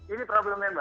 ini problemnya mbak